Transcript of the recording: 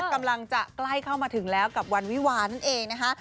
กำลังจะใกล้เข้ามาถึงแล้วกับวันวิวานั่นเองนะคะ